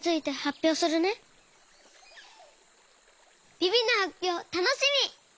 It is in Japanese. ビビのはっぴょうたのしみ！